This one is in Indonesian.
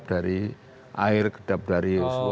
dari air dari